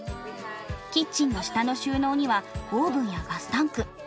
キッチンの下の収納にはオーブンやガスタンク。